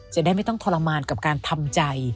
จะได้ไม่ต้องทรมานกับการทำใจ